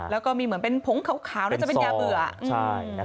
แล้วก็มีเหมือนเป็นผงขาวน่าจะเป็นยาเบื่อ